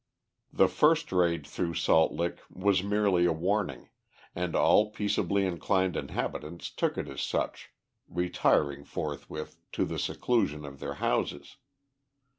The first raid through Salt Lick was merely a warning, and all peaceably inclined inhabitants took it as such, retiring forthwith to the seclusion of their houses.